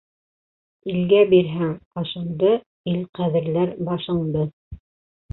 Илгә бирһәң ашыңды, ил ҡәҙерләр башыңды;